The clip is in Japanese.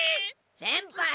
先輩！